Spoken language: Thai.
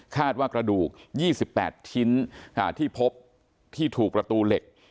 ว่ากระดูก๒๘ชิ้นที่พบที่ถูกประตูเหล็ก